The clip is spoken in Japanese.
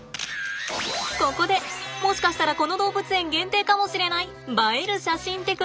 ここでもしかしたらこの動物園限定かもしれない映える写真テク。